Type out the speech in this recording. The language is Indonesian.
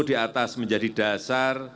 di atas menjadi dasar